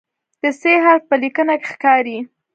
د "ث" حرف په لیکنه کې ښکاري.